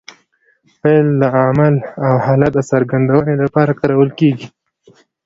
فعل د عمل او حالت د څرګندوني له پاره کارول کېږي.